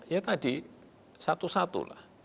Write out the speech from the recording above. ya tadi satu satulah